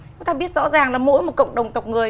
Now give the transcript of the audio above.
chúng ta biết rõ ràng là mỗi một cộng đồng tộc người